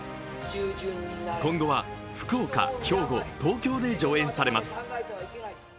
今後は福岡、兵庫、東京で上演されます。